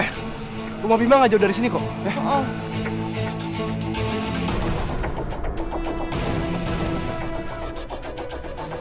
rumah bima gak jauh dari sini kok